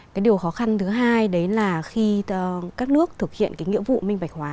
cái điều khó khăn thứ hai đấy là khi các nước thực hiện cái nghĩa vụ minh bạch hóa